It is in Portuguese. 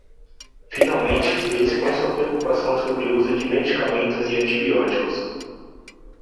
Finalmente, ele expõe sua preocupação sobre o uso de medicamentos e antibióticos.